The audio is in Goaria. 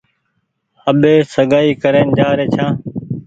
آٻي سگآئي ڪرين جآ ري ڇآن۔